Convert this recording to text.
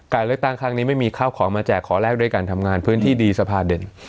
การเลือกตั้งครั้งนี้ไม่มีข้าวของมาแจกขอแลกด้วยการทำงานพื้นที่ดีสภาเด่น